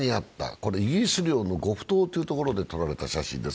これイギリス領のゴフ島というところで撮られた写真です。